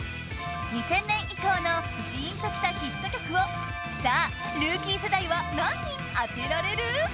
２０００年以降のジーンときたヒット曲をさあルーキー世代は何人当てられる？